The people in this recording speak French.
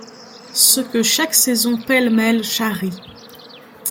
Ce que chaque saison pêle-mêle charrie.